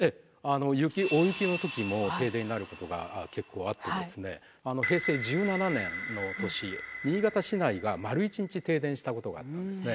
大雪の時も停電になることが結構あって平成１７年の年新潟市内が丸一日停電したことがあったんですね。